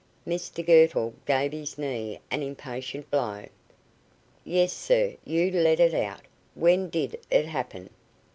Mr Girtle gave his knee an impatient blow. "Yes, sir, you let it out. When did it happen?"